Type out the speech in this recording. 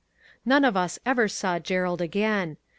None of us ever saw Gerald again.